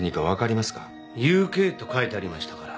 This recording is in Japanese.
「ＵＫ」と書いてありましたから。